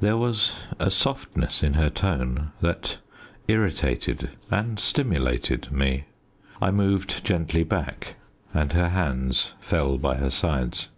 There was a softness in her tone that irritated and stimulated me. I moved gently back, and her hands fell by her sides.